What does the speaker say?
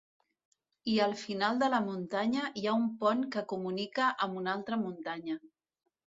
I al final de la muntanya hi ha un pont que comunica amb una altra muntanya.